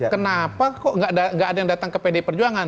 kenapa kok gak ada yang datang ke pdi perjuangan